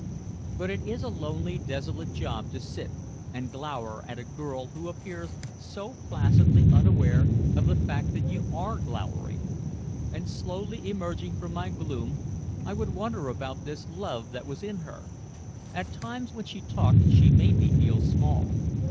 But it is a lonely desolate job to sit and glower at a girl who appears so placidly unaware of the fact that you are glowering. And slowly emerging from my gloom I would wonder about this love that was in her. At times when she talked she made me feel small.